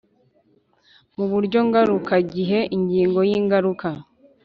Mu buryo ngarukagihe inyigo y ingaruka